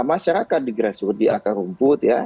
masyarakat di grassroot di akar rumput ya